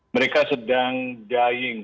mereka sedang dying